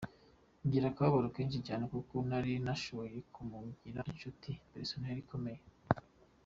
Ngira akababaro kenshi cyane kuko nari nashoboye kumugira inshuti personnel ikomeye.